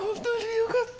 良かった